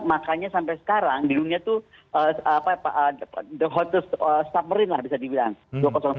makanya sampai sekarang di dunia itu the hots summarin lah bisa dibilang